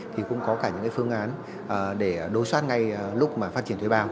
thì cũng có cả những phương án để đối soát ngay lúc mà phát triển thuê bao